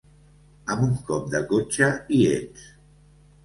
Amb un cop de cotxe hi ets.